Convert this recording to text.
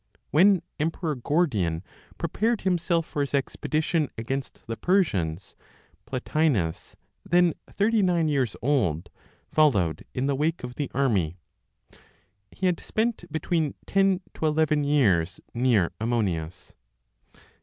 When emperor Gordian prepared himself for his expedition against the Persians, Plotinos, then 39 years old, followed in the wake of the army. He had spent between 10 to 11 years near Ammonius.